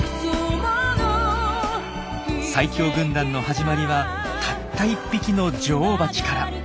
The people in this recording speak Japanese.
最強軍団の始まりはたった１匹の女王バチから。